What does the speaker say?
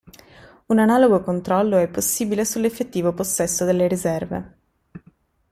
Un analogo controllo è possibile sull'effettivo possesso delle riserve.